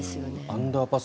アンダーパス